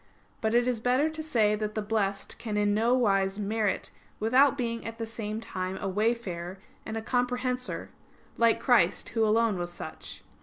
But it is better to say that the Blessed can in no wise merit without being at the same time a wayfarer and a comprehensor; like Christ, Who alone was such.